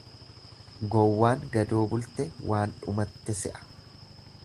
Gowwaan gadoo bulte waan dhumatte se'a.